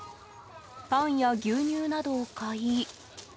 パンや牛乳などを買い